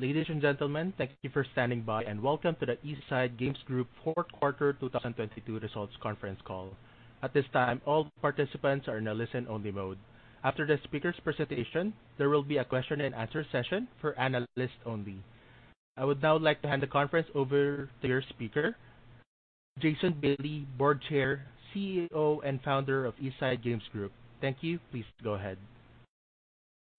Ladies and gentlemen, thank you for standing by, and welcome to the East Side Games Group fourth quarter 2022 results conference call. At this time, all participants are in a listen only mode. After the speaker's presentation, there will be a question and answer session for analysts only. I would now like to hand the conference over to your speaker, Jason Bailey, Board Chair, CEO, and Founder of East Side Games Group. Thank you. Please go ahead.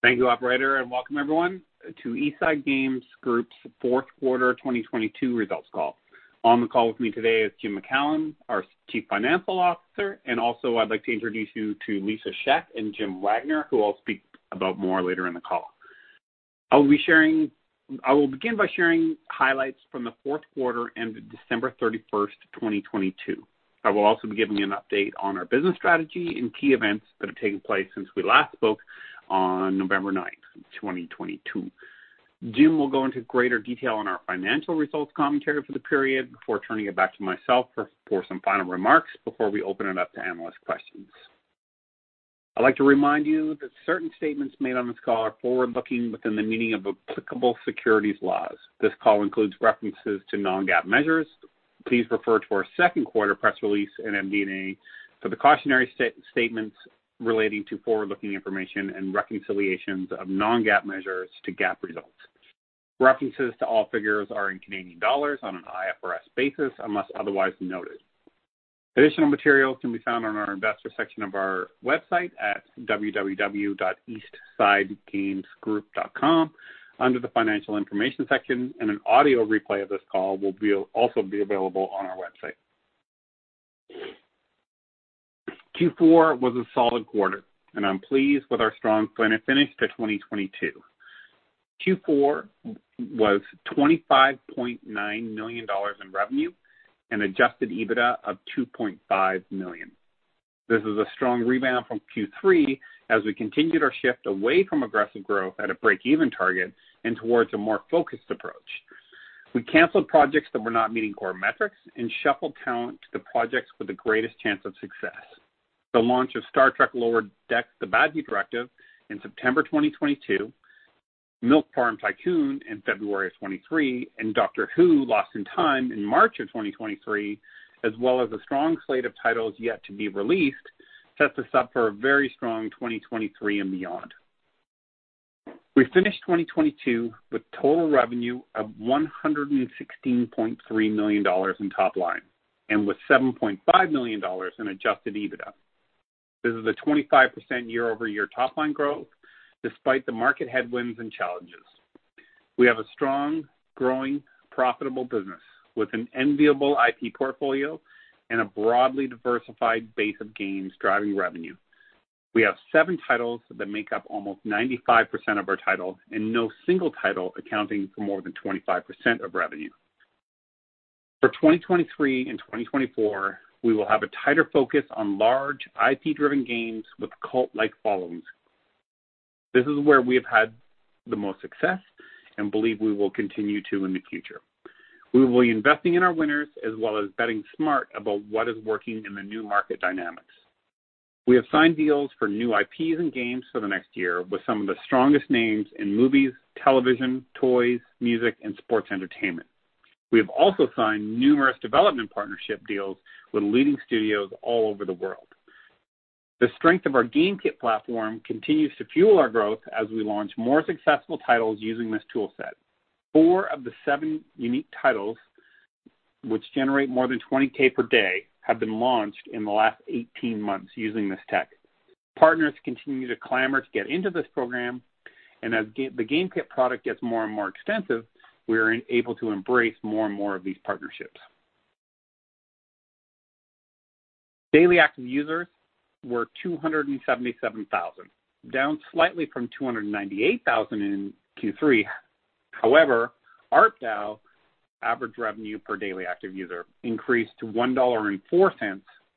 Thank you, operator, and welcome everyone to East Side Games Group's fourth quarter 2022 results call. On the call with me today is Jim MacCallum, our Chief Financial Officer, and also I'd like to introduce you to Lisa Shek and Jim Wagner, who I'll speak about more later in the call. I will begin by sharing highlights from the fourth quarter and December 31, 2022. I will also be giving you an update on our business strategy and key events that have taken place since we last spoke on November 9, 2022. Jim will go into greater detail on our financial results commentary for the period before turning it back to myself for some final remarks before we open it up to analyst questions. I'd like to remind you that certain statements made on this call are forward-looking within the meaning of applicable securities laws. This call includes references to non-GAAP measures. Please refer to our second quarter press release in MD&A for the cautionary statements relating to forward-looking information and reconciliations of non-GAAP measures to GAAP results. References to all figures are in Canadian dollars on an IFRS basis, unless otherwise noted. Additional materials can be found on our investor section of our website at www.eastsidegamesgroup.com under the financial information section, and an audio replay of this call will also be available on our website. Q4 was a solid quarter, and I'm pleased with our strong finish to 2022. Q4 was 25.9 million dollars in revenue and Adjusted EBITDA of 2.5 million. This is a strong rebound from Q3 as we continued our shift away from aggressive growth at a break-even target and towards a more focused approach. We canceled projects that were not meeting core metrics and shuffled talent to the projects with the greatest chance of success. The launch of Star Trek: Lower Decks – The Badgey Directive in September 2022, Milk Farm Tycoon in February 2023, and Doctor Who: Lost In Time in March 2023, as well as a strong slate of titles yet to be released, sets us up for a very strong 2023 and beyond. We finished 2022 with total revenue of 116.3 million dollars in top line and with 7.5 million dollars in Adjusted EBITDA. This is a 25% year-over-year top-line growth despite the market headwinds and challenges. We have a strong, growing, profitable business with an enviable IP portfolio and a broadly diversified base of games driving revenue. We have seven titles that make up almost 95% of our title, and no single title accounting for more than 25% of revenue. For 2023 and 2024, we will have a tighter focus on large IP-driven games with cult-like followings. This is where we have had the most success and believe we will continue to in the future. We will be investing in our winners as well as betting smart about what is working in the new market dynamics. We have signed deals for new IPs and games for the next year with some of the strongest names in movies, television, toys, music, and sports entertainment. We have also signed numerous development partnership deals with leading studios all over the world. The strength of our GameKit platform continues to fuel our growth as we launch more successful titles using this tool set. Four of the seven unique titles which generate more than 20K per day have been launched in the last 18 months using this tech. As the GameKit product gets more and more extensive, we are able to embrace more and more of these partnerships. Daily active users were 277,000, down slightly from 298,000 in Q3. However, ARPDAU, average revenue per daily active user, increased to $1.04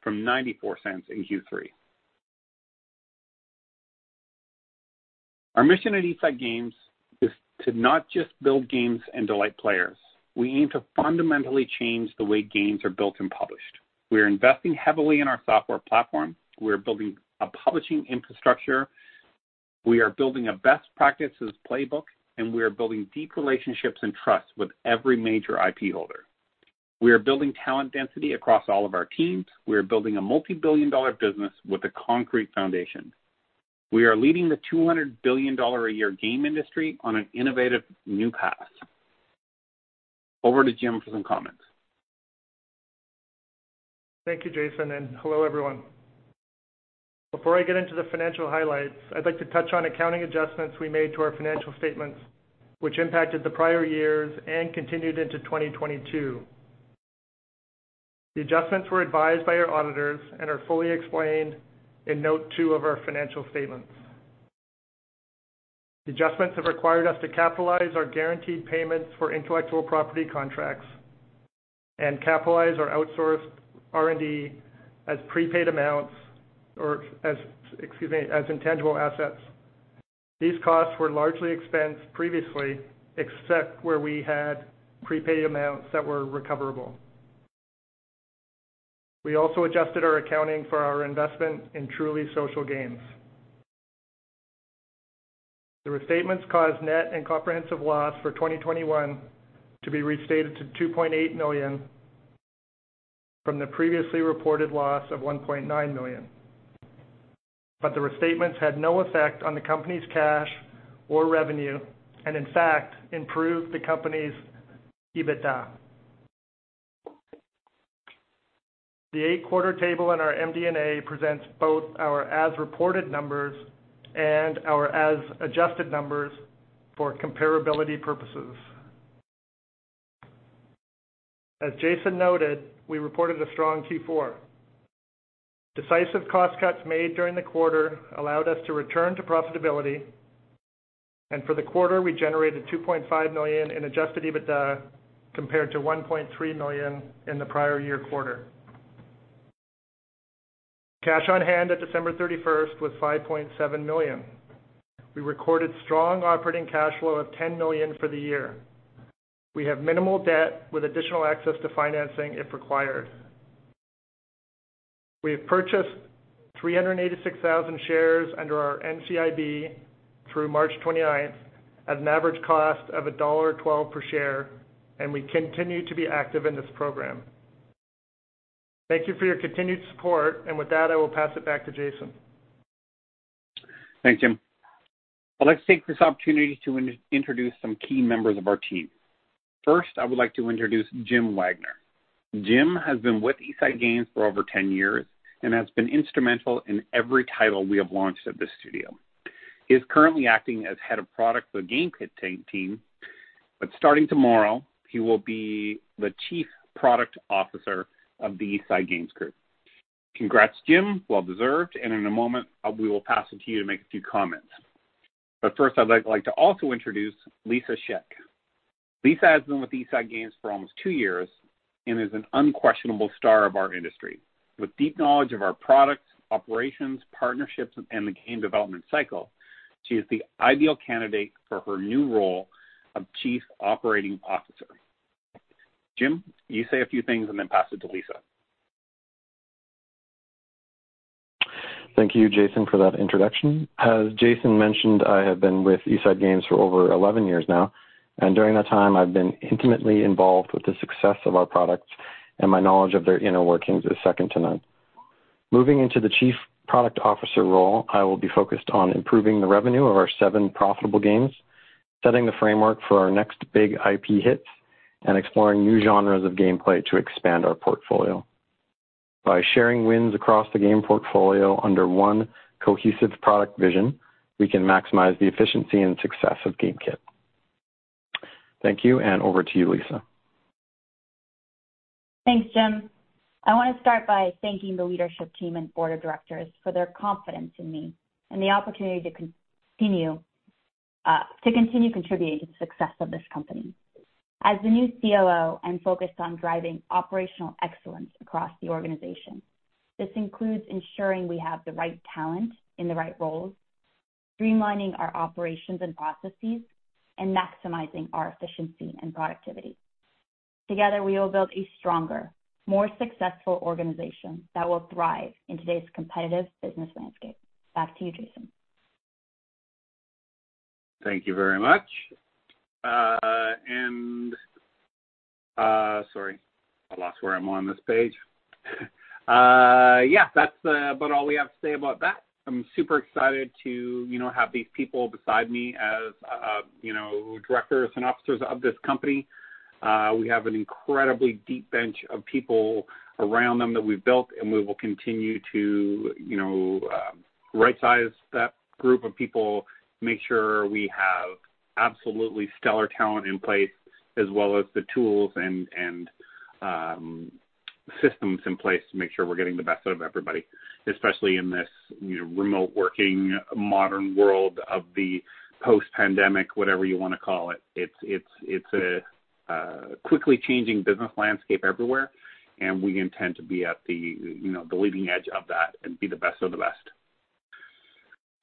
from $0.94 in Q3. Our mission at East Side Games is to not just build games and delight players. We aim to fundamentally change the way games are built and published. We are investing heavily in our software platform. We are building a publishing infrastructure. We are building a best practices playbook, and we are building deep relationships and trust with every major IP holder. We are building talent density across all of our teams. We are building a multi-billion dollar business with a concrete foundation. We are leading the 200 billion dollar a year game industry on an innovative new path. Over to Jim for some comments. Thank you, Jason. Hello, everyone. Before I get into the financial highlights, I'd like to touch on accounting adjustments we made to our financial statements, which impacted the prior years and continued into 2022. The adjustments were advised by our auditors and are fully explained in note two of our financial statements. The adjustments have required us to capitalize our guaranteed payments for intellectual property contracts and capitalize our outsourced R&D as prepaid amounts or as, excuse me, as intangible assets. These costs were largely expensed previously, except where we had prepaid amounts that were recoverable. We also adjusted our accounting for our investment in Truly Social Games. The restatements caused net and comprehensive loss for 2021 to be restated to 2.8 million from the previously reported loss of 1.9 million. The restatements had no effect on the company's cash or revenue and in fact improved the company's EBITDA. The 8-quarter table in our MD&A presents both our as reported numbers and our as adjusted numbers for comparability purposes. As Jason noted, we reported a strong Q4. Decisive cost cuts made during the quarter allowed us to return to profitability. For the quarter, we generated 2.5 million in Adjusted EBITDA, compared to 1.3 million in the prior year quarter. Cash on hand at December 31st was 5.7 million. We recorded strong operating cash flow of 10 million for the year. We have minimal debt with additional access to financing if required. We have purchased 386,000 shares under our NCIB through March 29th at an average cost of dollar 1.12 per share. We continue to be active in this program. Thank you for your continued support. With that, I will pass it back to Jason. Thanks, Jim. I'd like to take this opportunity to introduce some key members of our team. First, I would like to introduce Jim Wagner. Jim has been with East Side Games for over 10 years and has been instrumental in every title we have launched at this studio. He is currently acting as head of product for the GameKit team, starting tomorrow, he will be the Chief Product Officer of the East Side Games Group. Congrats, Jim. Well deserved. In a moment, we will pass it to you to make a few comments. First, I'd like to also introduce Lisa Shek. Lisa has been with East Side Games for almost two years and is an unquestionable star of our industry. With deep knowledge of our products, operations, partnerships, and the game development cycle, she is the ideal candidate for her new role of Chief Operating Officer. Jim, you say a few things and then pass it to Lisa. Thank you, Jason, for that introduction. As Jason mentioned, I have been with East Side Games for over 11 years now, and during that time, I've been intimately involved with the success of our products, and my knowledge of their inner workings is second to none. Moving into the chief product officer role, I will be focused on improving the revenue of our 7 profitable games, setting the framework for our next big IP hits, and exploring new genres of gameplay to expand our portfolio. By sharing wins across the game portfolio under one cohesive product vision, we can maximize the efficiency and success of GameKit. Thank you, and over to you, Lisa. Thanks, Jim. I want to start by thanking the leadership team and board of directors for their confidence in me and the opportunity to continue contributing to the success of this company. As the new COO, I'm focused on driving operational excellence across the organization. This includes ensuring we have the right talent in the right roles, streamlining our operations and processes, and maximizing our efficiency and productivity. Together, we will build a stronger, more successful organization that will thrive in today's competitive business landscape. Back to you, Jason. Thank you very much. Sorry, I lost where I'm on this page. That's about all we have to say about that. I'm super excited to, you know, have these people beside me as, you know, directors and officers of this company. We have an incredibly deep bench of people around them that we've built, and we will continue to, you know, right-size that group of people, make sure we have absolutely stellar talent in place, as well as the tools and, systems in place to make sure we're getting the best out of everybody, especially in this, you know, remote working modern world of the post-pandemic, whatever you wanna call it. It's a quickly changing business landscape everywhere, and we intend to be at the, you know, the leading edge of that and be the best of the best.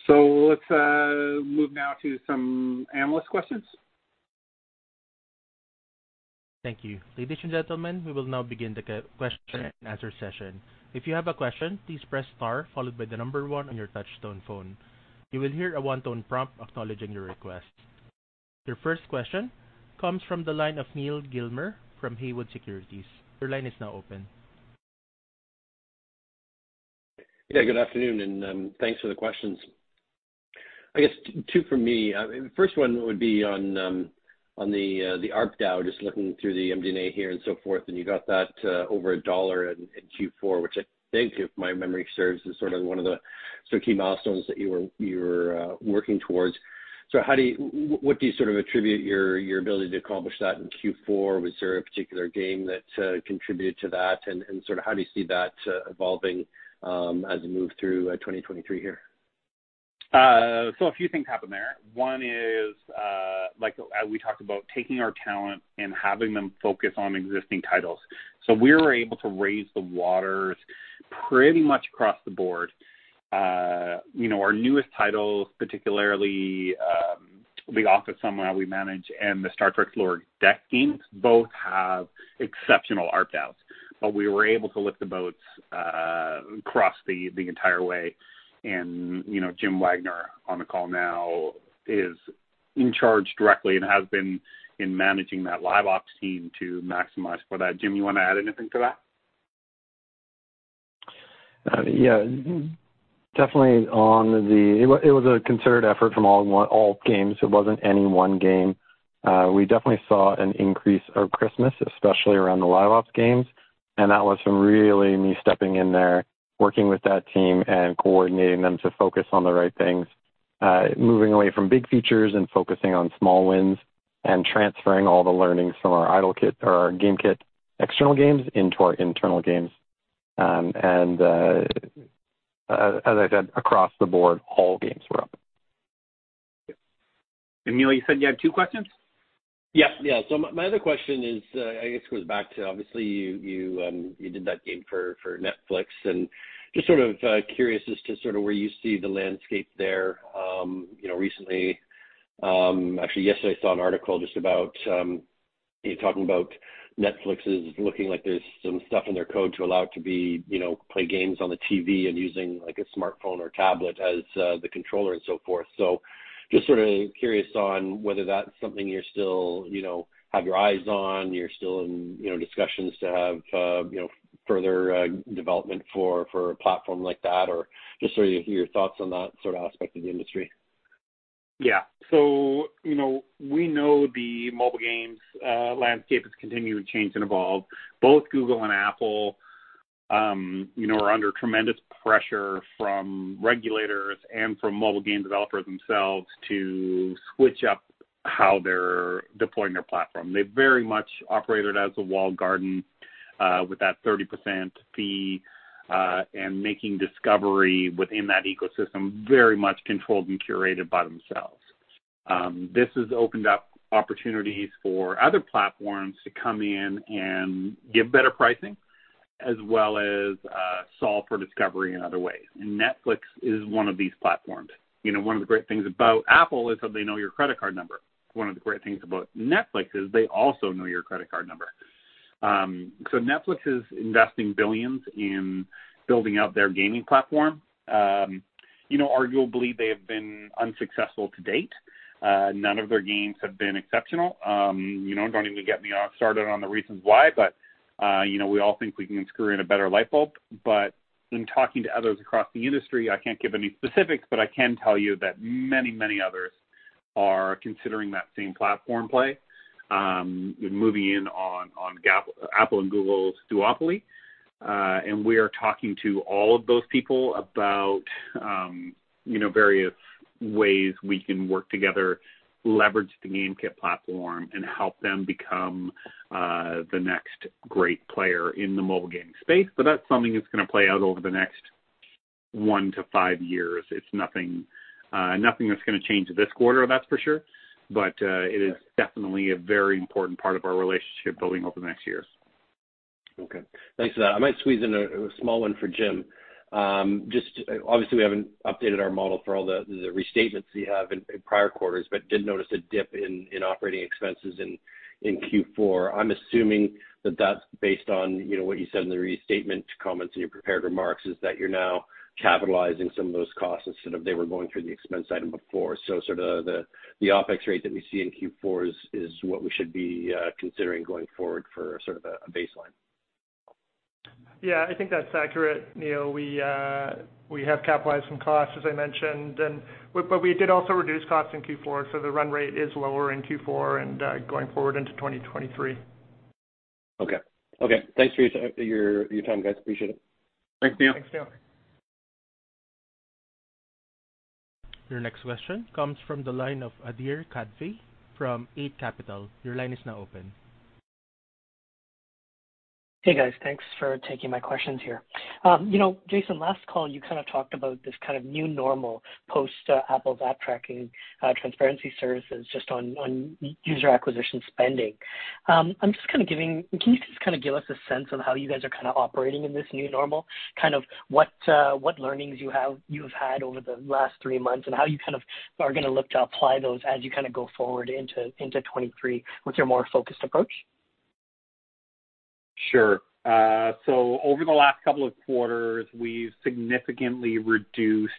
Let's move now to some analyst questions. Thank you. Ladies and gentlemen, we will now begin the question and answer session. If you have a question, please press star followed by 1 on your touch tone phone. You will hear a 1-tone prompt acknowledging your request. Your first question comes from the line of Neal Gilmer from Haywood Securities. Your line is now open. Yeah, good afternoon, and thanks for the questions. I guess two from me. First one would be on the ARPDAU. Just looking through the MD&A here and so forth, and you got that over a dollar in Q4, which I think, if my memory serves, is sort of one of the sort of key milestones that you were, you were working towards. So what do you sort of attribute your ability to accomplish that in Q4? Was there a particular game that contributed to that? Sort of how do you see that evolving as we move through 2023 here? A few things happened there. One is, like as we talked about, taking our talent and having them focus on existing titles. We were able to raise the water-Pretty much across the board. You know, our newest titles, particularly, The Office: Somehow We Manage, and the Star Trek: Lower Decks games both have exceptional ARPDAUs. We were able to lift the boats across the entire way. You know, Jim Wagner on the call now is in charge directly and has been in managing that live ops team to maximize for that. Jim, you want to add anything to that? Yeah. Definitely on the... It was a concerted effort from all games. It wasn't any one game. We definitely saw an increase over Christmas, especially around the live ops games, and that was from really me stepping in there, working with that team and coordinating them to focus on the right things, moving away from big features and focusing on small wins and transferring all the learnings from our IdleKit or our GameKit external games into our internal games. As I said, across the board, all games were up. Neal Gilmer, you said you have two questions? Yeah. Yeah. My, my other question is, I guess goes back to obviously you did that game for Netflix and just sort of curious as to sort of where you see the landscape there. You know, recently, actually yesterday I saw an article just about talking about Netflix is looking like there's some stuff in their code to allow it to be, you know, play games on the TV and using like a smartphone or tablet as the controller and so forth. Just sort of curious on whether that's something you're still, you know, have your eyes on, you're still in, you know, discussions to have, you know, further development for a platform like that, or just sort of your thoughts on that sort of aspect of the industry? You know, we know the mobile games landscape has continued to change and evolve. Both Google and Apple, you know, are under tremendous pressure from regulators and from mobile game developers themselves to switch up how they're deploying their platform. They very much operated as a walled garden, with that 30% fee, and making discovery within that ecosystem very much controlled and curated by themselves. This has opened up opportunities for other platforms to come in and give better pricing as well as solve for discovery in other ways. Netflix is one of these platforms. You know, one of the great things about Apple is that they know your credit card number. One of the great things about Netflix is they also know your credit card number. Netflix is investing billions in building out their gaming platform. You know, arguably, they have been unsuccessful to date. None of their games have been exceptional. You know, don't even get me off started on the reasons why. You know, we all think we can screw in a better light bulb. In talking to others across the industry, I can't give any specifics, but I can tell you that many, many others are considering that same platform play, moving in on Apple and Google's duopoly. We are talking to all of those people about, you know, various ways we can work together, leverage the GameKit platform, and help them become, the next great player in the mobile gaming space. That's something that's gonna play out over the next 1-5 years. It's nothing that's gonna change this quarter, that's for sure.It is definitely a very important part of our relationship building over the next years. Okay. Thanks for that. I might squeeze in a small one for Jim. Just obviously we haven't updated our model for all the restatements you have in prior quarters, but did notice a dip in operating expenses in Q4. I'm assuming that that's based on, you know, what you said in the restatement comments in your prepared remarks is that you're now capitalizing some of those costs instead of they were going through the expense item before. Sort of the OPEX rate that we see in Q4 is what we should be considering going forward for sort of a baseline. Yeah. I think that's accurate, Neal. We have capitalized some costs, as I mentioned. We did also reduce costs in Q4, so the run rate is lower in Q4 and going forward into 2023. Okay. Okay. Thanks for your time, guys. Appreciate it. Thanks, Neal. Thanks, Neal. Your next question comes from the line of Adhir Kadve from Eight Capital. Your line is now open. Hey, guys. Thanks for taking my questions here. You know, Jason, last call you kind of talked about this kind of new normal post Apple's App Tracking Transparency services just on user acquisition spending. Can you just kind of give us a sense on how you guys are kind of operating in this new normal? Kind of what learnings you've had over the last 3 months, and how you kind of are gonna look to apply those as you kind of go forward into 2023 with your more focused approach? Sure. Over the last couple of quarters, we've significantly reduced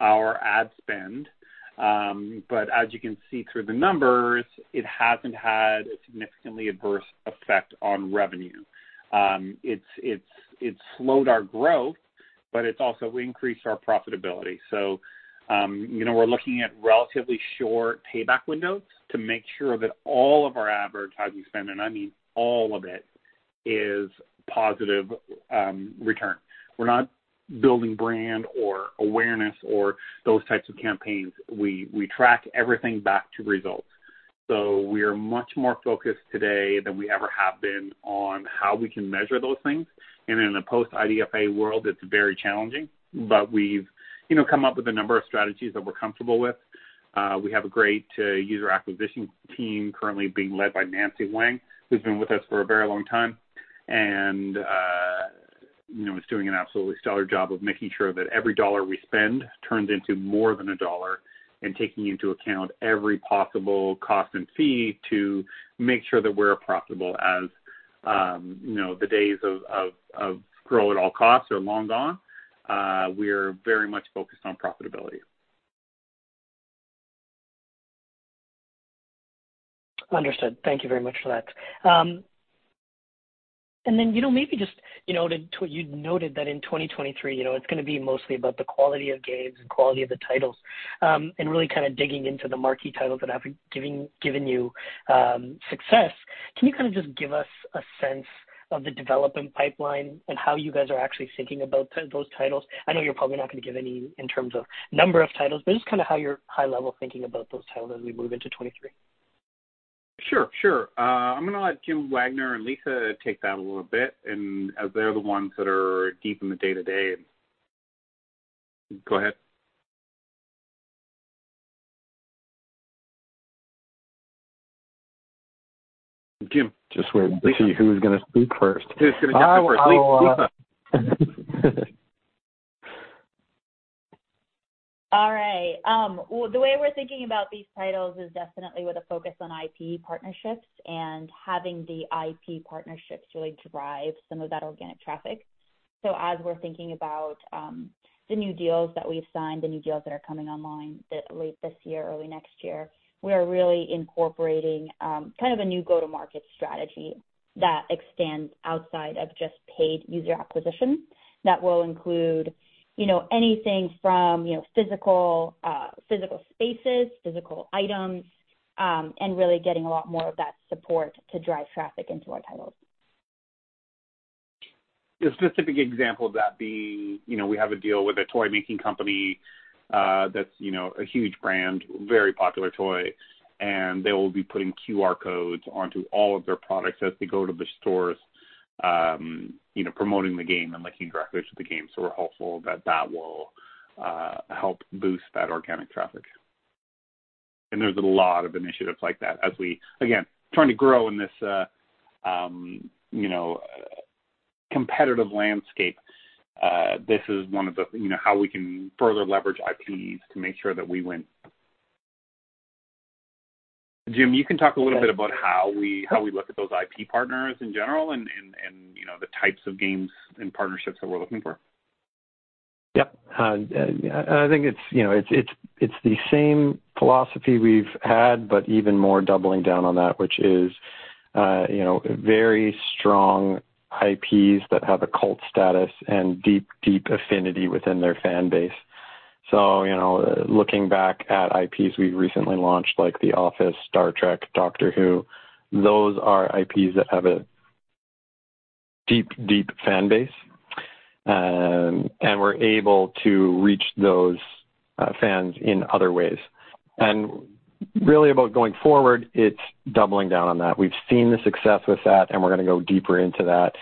our ad spend. As you can see through the numbers, it hasn't had a significantly adverse effect on revenue. It's slowed our growth, but it's also increased our profitability. You know, we're looking at relatively short payback windows to make sure that all of our advertising spend, and I mean all of it, is positive return. We're not building brand or awareness or those types of campaigns. We track everything back to results. We are much more focused today than we ever have been on how we can measure those things. In a post IDFA world, it's very challenging. We've, you know, come up with a number of strategies that we're comfortable with. We have a great user acquisition team currently being led by Nancy Huang, who's been with us for a very long time and, you know, is doing an absolutely stellar job of making sure that every CAD 1 we spend turns into more than CAD 1, and taking into account every possible cost and fee to make sure that we're profitable as, you know, the days of grow at all costs are long gone. We are very much focused on profitability. Understood. Thank you very much for that. You know, maybe just, you know, to what you noted that in 2023, you know, it's gonna be mostly about the quality of games and quality of the titles, and really kind of digging into the marquee titles that have given you success. Can you kind of just give us a sense of the development pipeline and how you guys are actually thinking about those titles? I know you're probably not gonna give any in terms of number of titles, but just kind of how you're high level thinking about those titles as we move into 2023. Sure, sure. I'm gonna let Jim Wagner and Lisa take that a little bit, and as they're the ones that are deep in the day-to-day. Go ahead. Jim. Just waiting to see who's gonna speak first. Who's gonna speak first? Lisa. All right. The way we're thinking about these titles is definitely with a focus on IP partnerships and having the IP partnerships really drive some of that organic traffic. As we're thinking about the new deals that we've signed, the new deals that are coming online late this year, early next year, we are really incorporating kind of a new go-to-market strategy that extends outside of just paid user acquisition. That will include, you know, anything from, you know, physical spaces, physical items, and really getting a lot more of that support to drive traffic into our titles. A specific example of that being, you know, we have a deal with a toy-making company, that's, you know, a huge brand, very popular toy, and they will be putting QR codes onto all of their products as they go to the stores, you know, promoting the game and linking directly to the game. We're hopeful that that will help boost that organic traffic. There's a lot of initiatives like that as we again, trying to grow in this, you know, competitive landscape, this is one of the, you know, how we can further leverage IPs to make sure that we win. Jim, you can talk a little bit about how we, how we look at those IP partners in general and, you know, the types of games and partnerships that we're looking for. Yep. I think it's, you know, the same philosophy we've had, but even more doubling down on that, which is, you know, very strong IPs that have a cult status and deep affinity within their fan base. You know, looking back at IPs we've recently launched, like The Office, Star Trek, Doctor Who, those are IPs that have a deep fan base. We're able to reach those fans in other ways. Really about going forward, it's doubling down on that. We've seen the success with that, we're going to go deeper into that.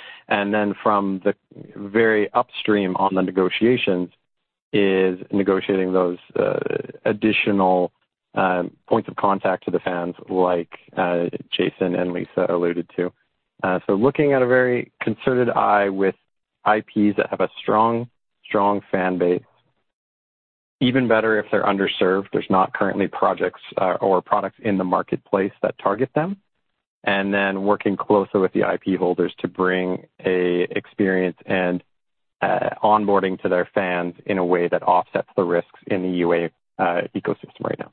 From the very upstream on the negotiations is negotiating those additional points of contact to the fans like Jason and Lisa alluded to. Looking at a very concerted eye with IPs that have a strong fan base. Even better if they're underserved, there's not currently projects or products in the marketplace that target them. Working closely with the IP holders to bring a experience and onboarding to their fans in a way that offsets the risks in the UA ecosystem right now.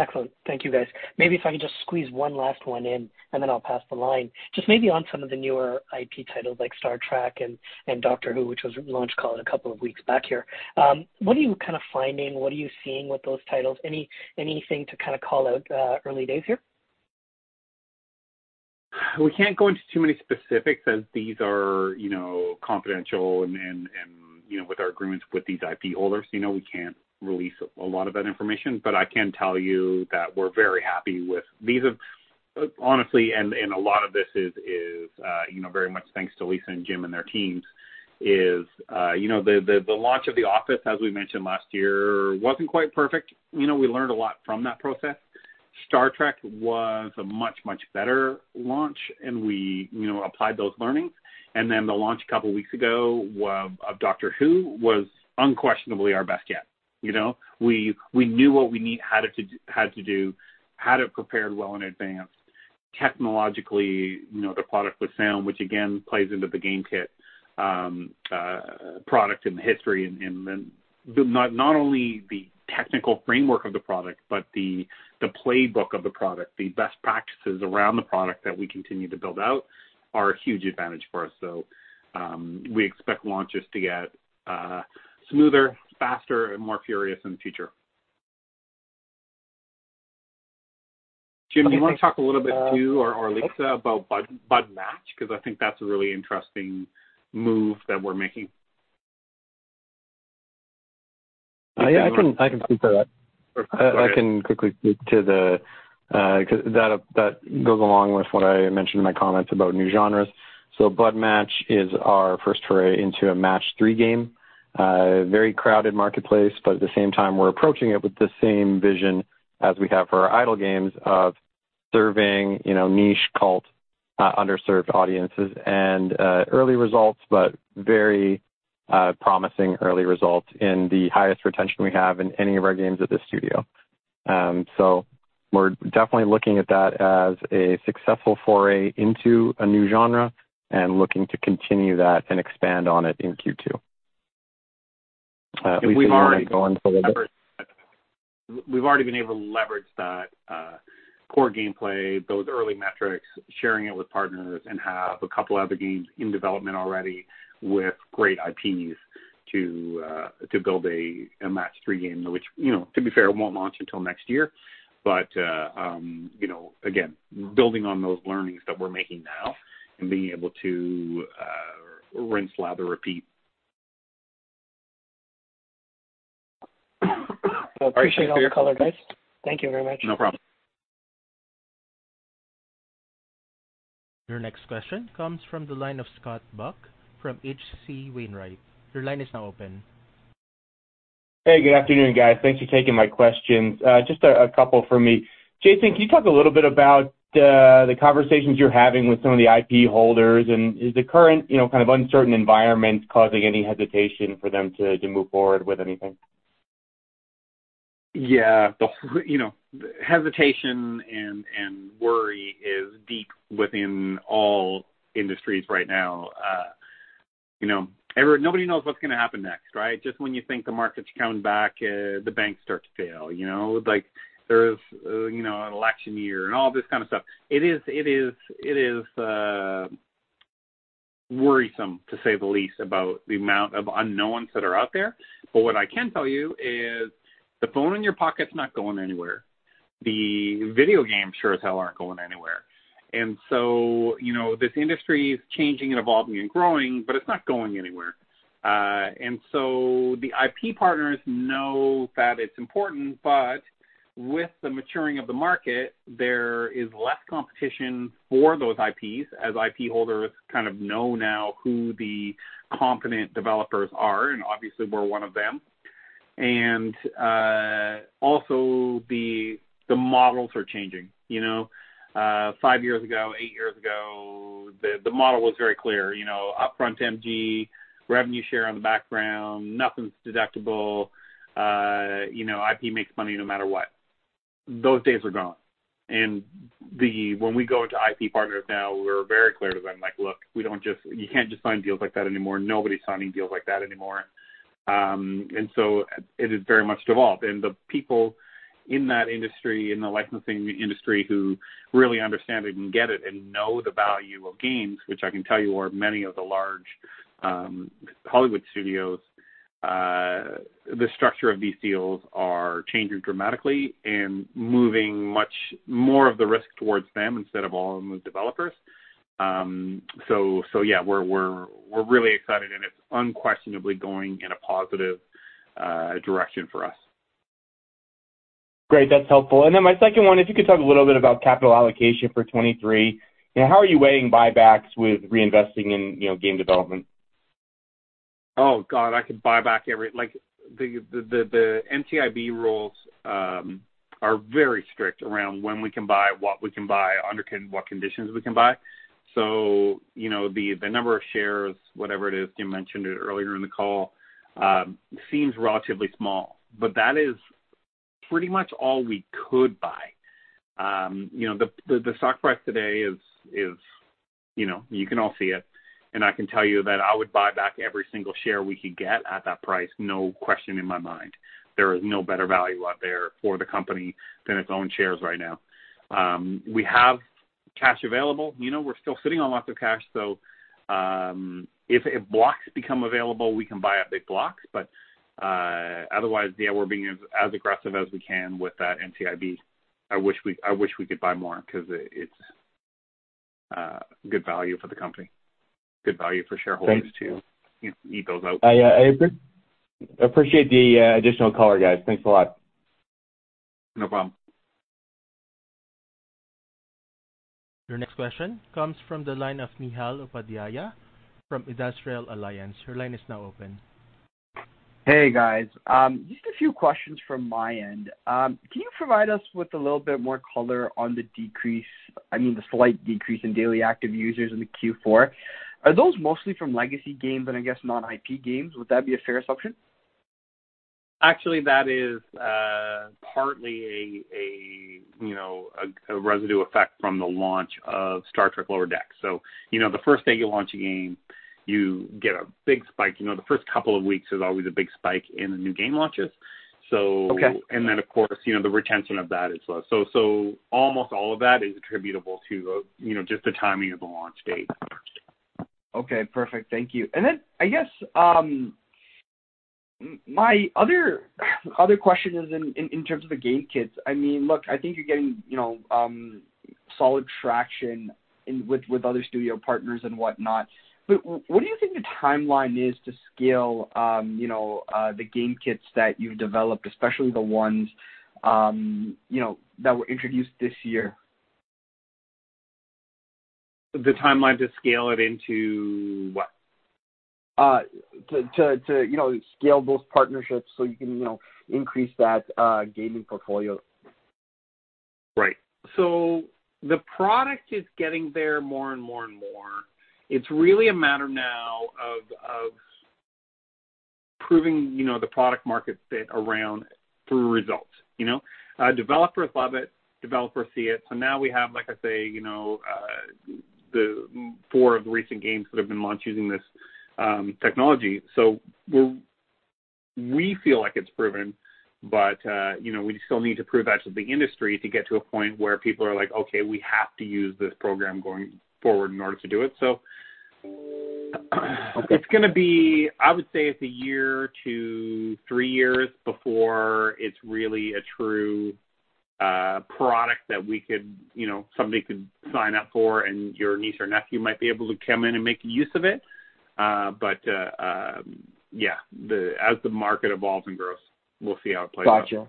Excellent. Thank you, guys. Maybe if I could just squeeze one last one in and then I'll pass the line. Just maybe on some of the newer IP titles like Star Trek and Doctor Who, which was launch called a couple of weeks back here. What are you kind of finding? What are you seeing with those titles? Anything to kind of call out, early days here? We can't go into too many specifics as these are, you know, confidential and, you know, with our agreements with these IP holders, you know, we can't release a lot of that information. I can tell you that we're very happy with these. Honestly, and a lot of this is, you know, very much thanks to Lisa and Jim and their teams, is, you know, the launch of The Office, as we mentioned last year, wasn't quite perfect. You know, we learned a lot from that process. Star Trek was a much, much better launch, and we, you know, applied those learnings. The launch a couple weeks ago of Doctor Who was unquestionably our best yet, you know? We knew what we had to do, had it prepared well in advance. Technologically, you know, the product was sound, which again plays into the GameKit product and the history and then not only the technical framework of the product, but the playbook of the product. The best practices around the product that we continue to build out are a huge advantage for us. We expect launches to get smoother, faster, and more furious in the future. Jim, do you want to talk a little bit too or Lisa about Blood Match? I think that's a really interesting move that we're making. I can speak to that. Go ahead. I can quickly speak to that goes along with what I mentioned in my comments about new genres. Blood Match is our first foray into a match three game. Very crowded marketplace, but at the same time, we're approaching it with the same vision as we have for our idle games of serving, you know, niche cult, underserved audiences. Early results, but very promising early results in the highest retention we have in any of our games at the studio. We're definitely looking at that as a successful foray into a new genre and looking to continue that and expand on it in Q2. If you want me to go on further. We've already been able to leverage that, core gameplay, those early metrics, sharing it with partners, and have 2 other games in development already with great IPs to build a match-3 game, which, you know, to be fair, won't launch until next year. You know, again, building on those learnings that we're making now and being able to rinse, lather, repeat. All right. Thanks for your call. Appreciate all your color, guys. Thank Thank you very much. No problem. Your next question comes from the line of Scott Buck from H.C. Wainwright. Your line is now open. Hey, good afternoon, guys. Thanks for taking my questions. Just a couple from me. Jason, can you talk a little bit about the conversations you're having with some of the IP holders? Is the current, you know, kind of uncertain environment causing any hesitation for them to move forward with anything? Yeah. The you know, hesitation and worry is deep within all industries right now. you know, nobody knows what's going to happen next, right? Just when you think the market's coming back, the banks start to fail, you know. Like, there's, you know, an election year and all this kind of stuff. It is worrisome to say the least about the amount of unknowns that are out there. What I can tell you is the phone in your pocket is not going anywhere. The video games sure as hell aren't going anywhere. you know, this industry is changing and evolving and growing, but it's not going anywhere. The IP partners know that it's important, but with the maturing of the market, there is less competition for those IPs as IP holders kind of know now who the competent developers are, and obviously we're one of them. Also the models are changing. You know, five years ago, eight years ago, the model was very clear, you know, upfront MG, revenue share on the background, nothing's deductible, you know, IP makes money no matter what. Those days are gone. When we go to IP partners now, we're very clear to them, like, "Look, we don't just... you can't just sign deals like that anymore. Nobody's signing deals like that anymore." So it is very much evolved. The people in that industry, in the licensing industry, who really understand it and get it and know the value of games, which I can tell you are many of the large Hollywood studios, the structure of these deals are changing dramatically and moving much more of the risk towards them instead of all of the developers. So yeah, we're really excited, and it's unquestionably going in a positive direction for us. Great. That's helpful. Then my second one, if you could talk a little bit about capital allocation for 2023. You know, how are you weighing buybacks with reinvesting in, you know, game development? Oh, God, I could buy back every... Like, the NCIB rules are very strict around when we can buy, what we can buy, what conditions we can buy. You know, the number of shares, whatever it is, Jim mentioned it earlier in the call, seems relatively small. That is pretty much all we could buy. You know, the stock price today is, you know, you can all see it. I can tell you that I would buy back every single share we could get at that price, no question in my mind. There is no better value out there for the company than its own shares right now. We have cash available. You know, we're still sitting on lots of cash, if blocks become available, we can buy up big blocks. Otherwise, yeah, we're being as aggressive as we can with that NCIB. I wish we could buy more because it's good value for the company, good value for shareholders. Thanks. You know, eat those out. I appreciate the additional color, guys. Thanks a lot. No problem. Your next question comes from the line of Neehal Upadhyaya from Industrial Alliance. Your line is now open. Hey, guys. Just a few questions from my end. Can you provide us with a little bit more color on the decrease, I mean, the slight decrease in Daily Active Users in the Q4? Are those mostly from legacy games and I guess non-IP games? Would that be a fair assumption? Actually, that is, partly a, you know, a residue effect from the launch of Star Trek: Lower Decks. You know, the first day you launch a game, you get a big spike. You know, the first couple of weeks, there's always a big spike in the new game launches. Okay. Of course, you know, the retention of that is low. Almost all of that is attributable to, you know, just the timing of the launch date. Okay, perfect. Thank you. I guess, my other question is in terms of the GameKits. I mean, look, I think you're getting, you know, solid traction in, with other studio partners and whatnot. What do you think the timeline is to scale, you know, the GameKits that you've developed, especially the ones, you know, that were introduced this year? The timeline to scale it into what? To, you know, scale those partnerships so you can, you know, increase that gaming portfolio. Right. The product is getting there more and more and more. It's really a matter now of proving, you know, the product market fit around through results, you know. Developers love it, developers see it. We feel like it's proven, but, you know, we still need to prove that to the industry to get to a point where people are like, "Okay, we have to use this program going forward in order to do it." It's gonna be... I would say it's a year to 3 years before it's really a true product that we could, you know, somebody could sign up for and your niece or nephew might be able to come in and make use of it. Yeah, the, as the market evolves and grows, we'll see how it plays out. Gotcha.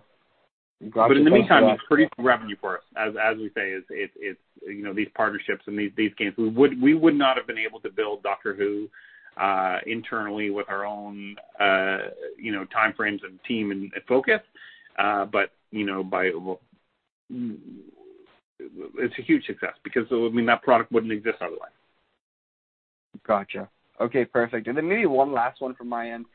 In the meantime, it's pretty revenue for us. As we say, it's, you know, these partnerships and these games, we would not have been able to build Doctor Who internally with our own, you know, time frames and team and focus. You know, it's a huge success because, I mean, that product wouldn't exist otherwise. Gotcha. Okay, perfect. Then maybe one last one from my end.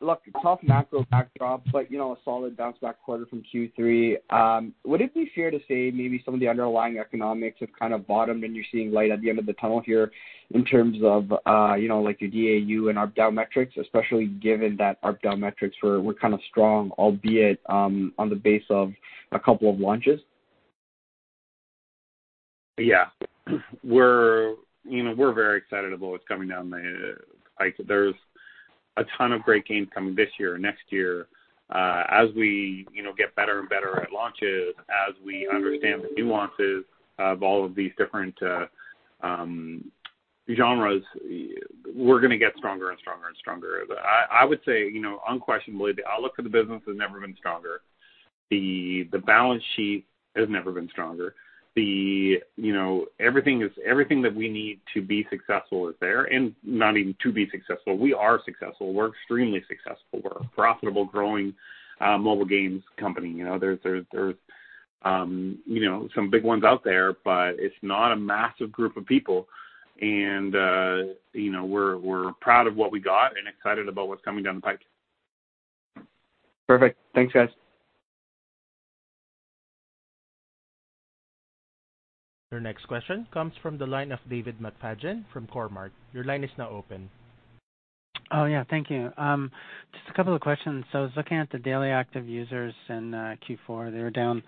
Look, tough macro backdrop, but, you know, a solid bounce back quarter from Q3. Would it be fair to say maybe some of the underlying economics have kind of bottomed and you're seeing light at the end of the tunnel here in terms of, you know, like your DAU and ARPDAU metrics, especially given that ARPDAU metrics were kind of strong, albeit, on the base of a couple of launches? Yeah. We're, you know, we're very excited about what's coming down the pipe. There's a ton of great games coming this year and next year. As we, you know, get better and better at launches, as we understand the nuances of all of these different genres, we're gonna get stronger and stronger and stronger. I would say, you know, unquestionably the outlook for the business has never been stronger. The balance sheet has never been stronger. You know, everything that we need to be successful is there, and not even to be successful. We are successful. We're extremely successful. We're a profitable, growing mobile games company. You know, there's, you know, some big ones out there, but it's not a massive group of people and, you know, we're proud of what we got and excited about what's coming down the pipe. Perfect. Thanks, guys. Your next question comes from the line of David McFadgen from Cormark. Your line is now open. Oh, yeah. Thank you. just a couple of questions. I was looking at the daily active users in Q4. They were down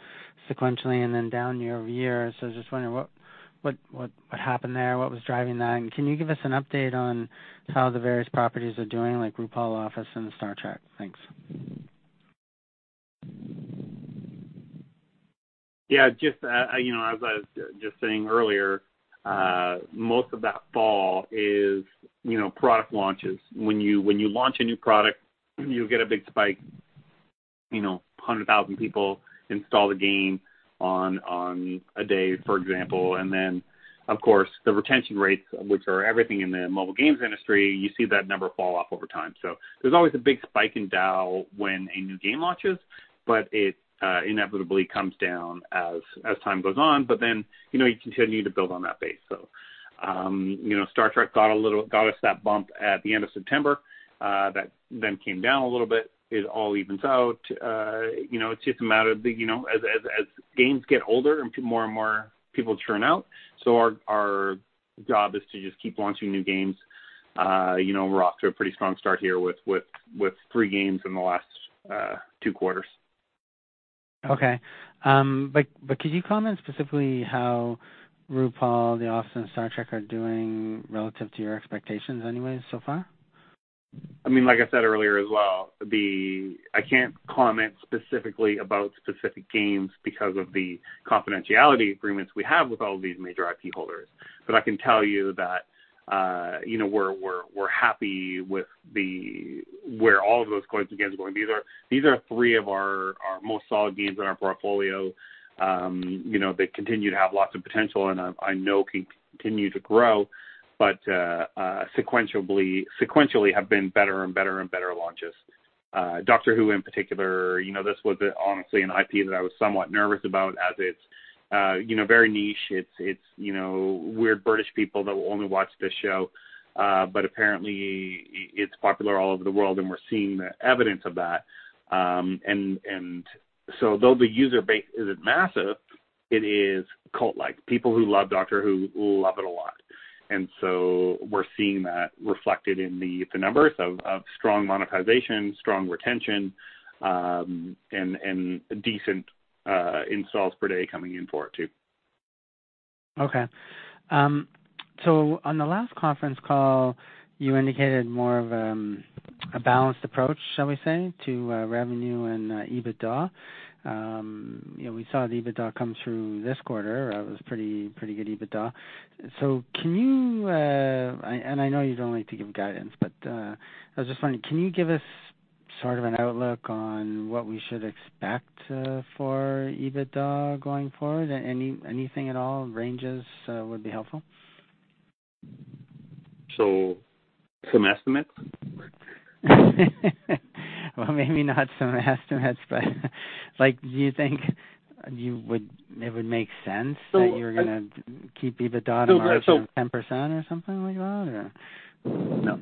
sequentially and then down year-over-year. I was just wondering what happened there? What was driving that? Can you give us an update on how the various properties are doing, like RuPaul, Office and Star Trek? Thanks. As I was just saying earlier, most of that fall is product launches. When you launch a new product, you'll get a big spike. 100,000 people install the game on a day, for example. Of course, the retention rates, which are everything in the mobile games industry, you see that number fall off over time. There's always a big spike in DAU when a new game launches, but it inevitably comes down as time goes on. You continue to build on that base. Star Trek got us that bump at the end of September that then came down a little bit. It all evens out. You know, it's just a matter of, you know, as games get older and more and more people churn out. Our job is to just keep launching new games. You know, we're off to a pretty strong start here with 3 games in the last 2 quarters. Okay. Could you comment specifically how RuPaul, The Office and Star Trek are doing relative to your expectations anyways so far? I mean, like I said earlier as well, I can't comment specifically about specific games because of the confidentiality agreements we have with all of these major IP holders. I can tell you that, you know, we're happy with where all of those coins and games are going. These are three of our most solid games in our portfolio. You know, they continue to have lots of potential and I know continue to grow, sequentially have been better and better and better launches. Doctor Who in particular, you know, this was honestly an IP that I was somewhat nervous about as it's, you know, very niche. It's, you know, weird British people that will only watch this show, but apparently it's popular all over the world, and we're seeing the evidence of that. So though the user base isn't massive, it is cult-like. People who love Doctor Who love it a lot. So we're seeing that reflected in the numbers of strong monetization, strong retention, and decent installs per day coming in for it too. Okay. On the last conference call, you indicated more of a balanced approach, shall we say, to revenue and EBITDA. You know, we saw the EBITDA come through this quarter. It was pretty good EBITDA. I know you don't like to give guidance, but I was just wondering, can you give us sort of an outlook on what we should expect for EBITDA going forward? Anything at all? Ranges would be helpful. Some estimates? maybe not some estimates, but, like, do you think it would make sense that you're gonna keep EBITDA margin 10% or something like that or no?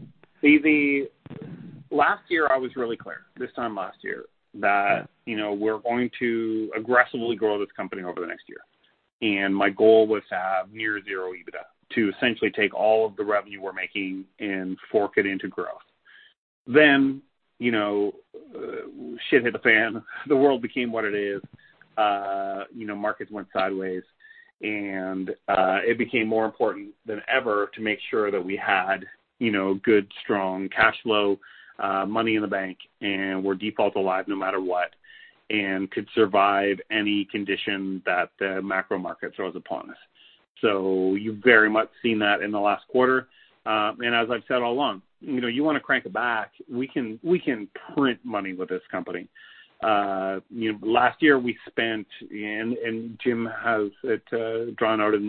Last year I was really clear, this time last year, that, you know, we're going to aggressively grow this company over the next year. My goal was to have near 0 EBITDA, to essentially take all of the revenue we're making and fork it into growth. You know, shit hit the fan. The world became what it is. You know, markets went sideways. It became more important than ever to make sure that we had, you know, good, strong cash flow, money in the bank, and we're default alive no matter what, and could survive any condition that the macro market throws upon us. You've very much seen that in the last quarter. As I've said all along, you know, you wanna crank it back. We can print money with this company. You know, last year we spent... Jim has it drawn out in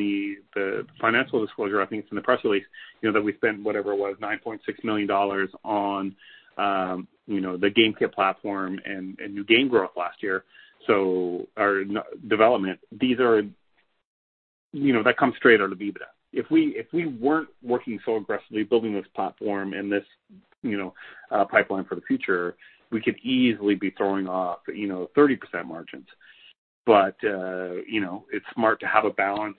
the financial disclosure. I think it's in the press release. You know that we spent whatever it was, 9.6 million dollars on, you know, the GameKit platform and new game growth last year... No, development. You know, that comes straight out of EBITDA. If we weren't working so aggressively building this platform and this, you know, pipeline for the future, we could easily be throwing off, you know, 30% margins. You know, it's smart to have a balance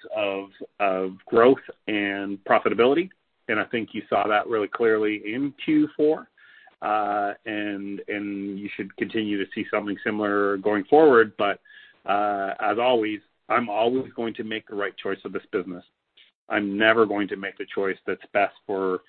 of growth and profitability. I think you saw that really clearly in Q4. You should continue to see something similar going forward. As always, I'm always going to make the right choice of this business. I'm never going to make the choice that's best for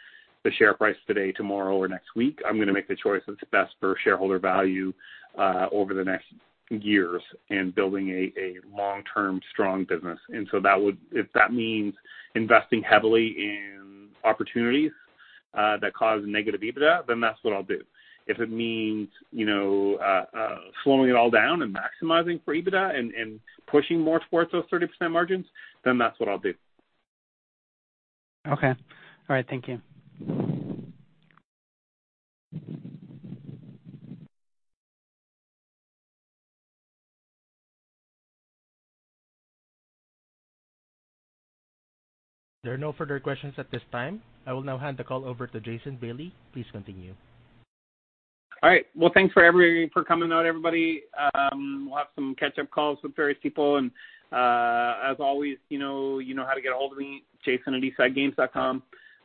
the share price today, tomorrow or next week. I'm gonna make the choice that's best for shareholder value over the next years in building a long-term strong business. If that means investing heavily in opportunities that cause negative EBITDA, then that's what I'll do. If it means, you know, slowing it all down and maximizing for EBITDA and pushing more towards those 30% margins, then that's what I'll do. Okay. All right. Thank you. There are no further questions at this time. I will now hand the call over to Jason Bailey. Please continue. All right. Well, thanks for coming out, everybody. We'll have some catch-up calls with various people. As always, you know how to get a hold of me,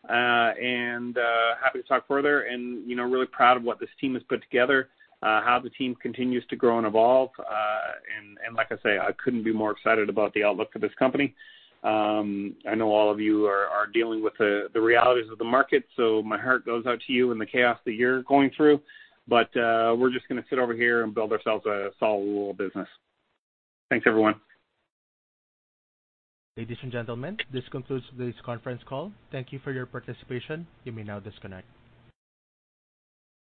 jason@eastsidegames.com. Happy to talk further and, you know, really proud of what this team has put together, how the team continues to grow and evolve. Like I say, I couldn't be more excited about the outlook for this company. I know all of you are dealing with the realities of the market, so my heart goes out to you in the chaos that you're going through. We're just gonna sit over here and build ourselves a solid little business. Thanks, everyone. Ladies and gentlemen, this concludes today's conference call. Thank you for your participation. You may now disconnect.